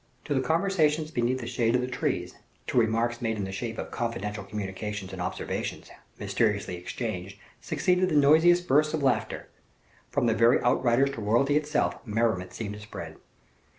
To the conversations beneath the shade of the trees, to remarks made in the shape of confidential communications, and observations, mysteriously exchanged, succeeded the noisiest bursts of laughter; from the very outriders to royalty itself, merriment seemed to spread.